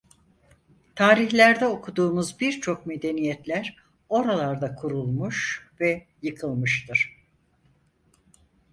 Tarihlerde okuduğumuz birçok medeniyetler oralarda kurulmuş ve yıkılmıştır.